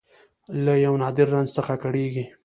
له یو نادر رنځ څخه کړېږي